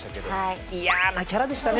嫌なキャラでしたね